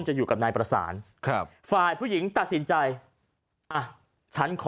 จะอยู่กับนายประสานครับฝ่ายผู้หญิงตัดสินใจอ่ะฉันขอ